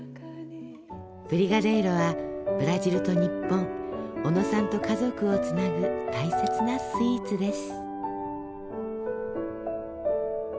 ブリガデイロはブラジルと日本小野さんと家族をつなぐ大切なスイーツです。